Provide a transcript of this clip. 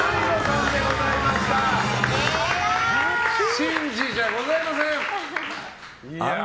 真治じゃございません！